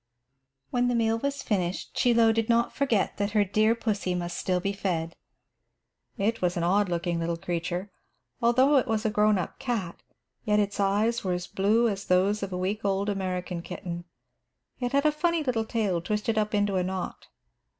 When the meal was finished, Chie Lo did not forget that her dear pussy must still be fed. It was an odd looking little creature. Although it was a grown up cat, yet its eyes were as blue as those of a week old American kitten. It had a funny little tail twisted up into a knot.